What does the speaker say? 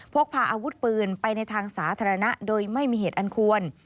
พกพาอาวุธปืนไปในทางสาธารณะโดยไม่มีเหตุอันควร